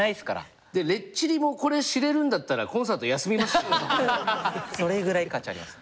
でレッチリもこれ知れるんだったらそれぐらい価値あります。